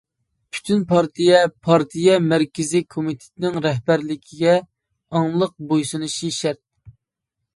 پۈتۈن پارتىيە پارتىيە مەركىزىي كومىتېتىنىڭ رەھبەرلىكىگە ئاڭلىق بويسۇنۇشى شەرت.